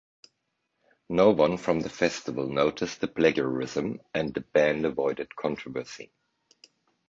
No one from the festival noticed the plagiarism and the band avoided controversy.